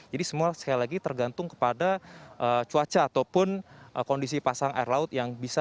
jadi semua sekali lagi tergantung kepada cuaca ataupun kondisi pasang air laut yang bisa mempercepat